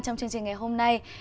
trong chương trình ngày hôm nay